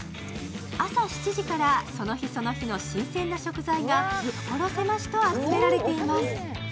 朝７時からその日その日の新鮮な食材が所狭しと集められています。